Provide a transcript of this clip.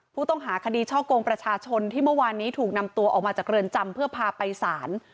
ผู้ต้องหาคดีช่อกงประชาชนที่เมื่อวานนี้ถูกนำตัวออกมาจากเรือนจำเพื่อพาไปศาล